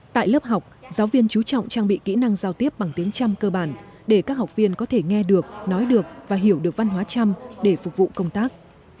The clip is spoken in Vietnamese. tại lớp học giáo viên chú trọng trang bị kỹ năng giao tiếp bằng tiếng trăm cơ bản để các học viên có thể nghe được nói được và hiểu được văn hóa trăm để phục vụ công tác